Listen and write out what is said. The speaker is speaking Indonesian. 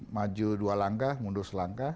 maju dua langkah mundur selangkah